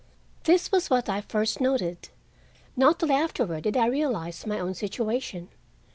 This was what I first noted; not till afterward did I realize my own situation.